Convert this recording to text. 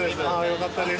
よかったです